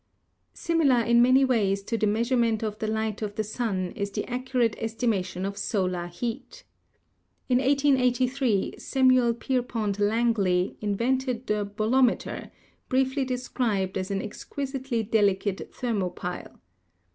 Similar in many ways to the measurement of the light of the sun is the accurate estimation of solar heat. In 1883 Samuel Pierpont Langley invented the bolome ter, briefly described as an exquisitely delicate thermopile.